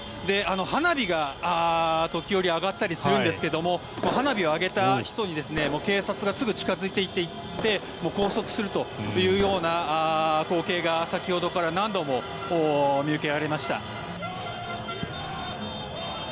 花火が時折上がったりするんですけども花火を上げた人に警察がすぐ近付いていって拘束するというような光景が先ほどから何度も見受けられました。